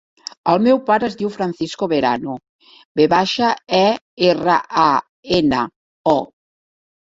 El meu pare es diu Francisco Verano: ve baixa, e, erra, a, ena, o.